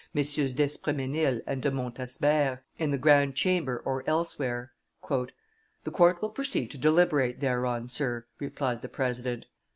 d'Espremesnil and De Montsabert, in the grand chamber or elsewhere." "The court will proceed to deliberate thereon, sir," replied the president.